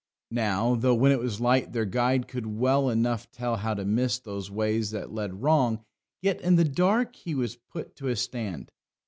Now, though when it was light, their guide could well enough tell how to miss those ways that led wrong, yet in the dark he was put to a stand.